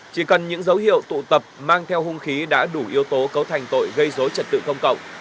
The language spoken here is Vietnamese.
chỉ cần những dấu hiệu tụ tập mang theo hung khí đã đủ yếu tố cấu thành tội gây dối trật tự công cộng